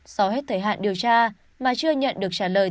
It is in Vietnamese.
sau hết thời hạn điều tra mà chưa nhận được trả lời